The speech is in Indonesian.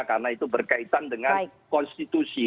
karena itu berkaitan dengan konstitusi